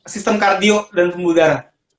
sistem kardio dan pembuluh darah